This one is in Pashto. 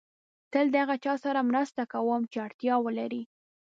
تل د هغه چا سره مرسته کوم چې اړتیا ولري.